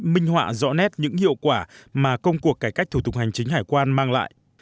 minh họa rõ nét những hiệu quả mà công cuộc cải cách thủ tục hành chính hải quan mang lại